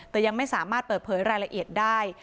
แต่ยังไม่สามารถเปิดเผยรายละเอียดได้